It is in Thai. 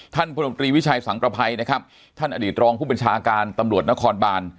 พลมตรีวิชัยสังประภัยนะครับท่านอดีตรองผู้บัญชาการตำรวจนครบาน